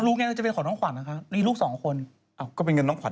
ไงจะเป็นของน้องขวัญนะคะมีลูกสองคนอ้าวก็เป็นเงินน้องขวัญ